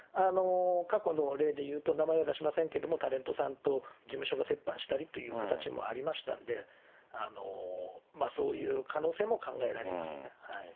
過去の例で言うと、名前は出しませんけども、タレントさんと事務所が折半したりという形もありましたんで、そういう可能性も考えられますね。